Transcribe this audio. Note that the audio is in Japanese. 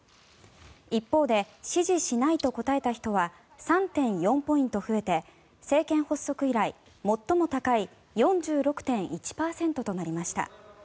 一方で支持しないと答えた人は３．４ポイント増えて政権発足以来最も高い４６．１％となりました。